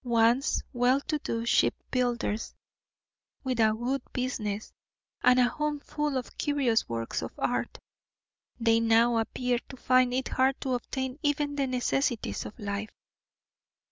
Once well to do ship builders, with a good business and a home full of curious works of art, they now appear to find it hard to obtain even the necessities of life.